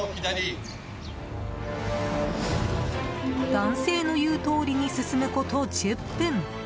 男性の言うとおりに進むこと１０分。